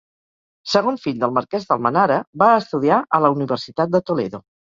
Segon fill del marquès d'Almenara, va estudiar a la universitat de Toledo.